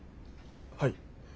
はい。